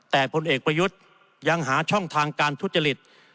แต่พลเอกประยุทธ์ยังหาช่องทางการทุจริต